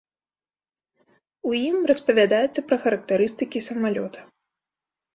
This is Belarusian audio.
У ім распавядаецца пра характарыстыкі самалёта.